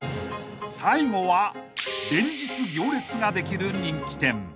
［最後は連日行列ができる人気店］